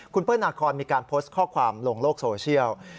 คุณเปิ้ลนาคอนมีการโพสต์ข้อความลงโลกโซเชียล